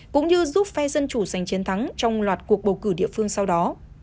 cũng như giúp phe dân chủ giành chiến thắng trong loạt cuộc bầu cử địa phương sau đó